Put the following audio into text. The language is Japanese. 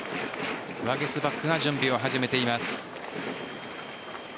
ワゲスパックが準備を始めています。